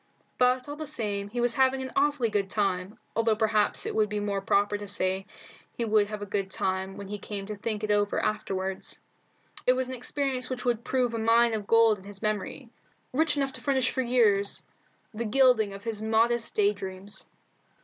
But, all the same, he was having an awfully good time, although perhaps it would be more proper to say he would have a good time when he came to think it over afterward. It was an experience which would prove a mine of gold in his memory, rich enough to furnish for years the gilding to his modest day dreams.